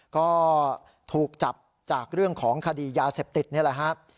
ก็ถูกจับจากเรื่องของคดียาเสพติดนี่แหละครับ